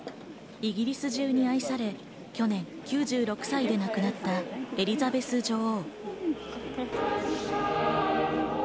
イギリス中に愛され、去年９６歳で亡くなったエリザベス女王。